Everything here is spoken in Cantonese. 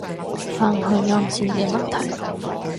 返去啱先嘅問題